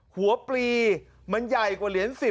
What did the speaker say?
ปลีมันใหญ่กว่าเหรียญ๑๐